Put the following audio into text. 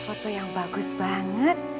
foto yang bagus banget